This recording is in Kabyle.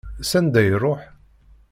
S anda i iṛuḥ?